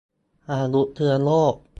อาวุธเชื้อโรค